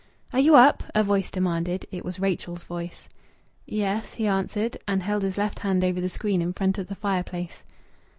"Are you up?" a voice demanded. It was Rachel's voice. "Ye es," he answered, and held his left hand over the screen in front of the fireplace.